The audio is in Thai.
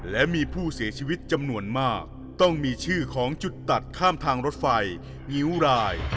และมีผู้เสียชีวิตจำนวนมากต้องมีชื่อของจุดตัดข้ามทางรถไฟงิ้วราย